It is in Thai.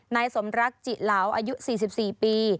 นายสมรักจิเหลาอายุ๔๔ปี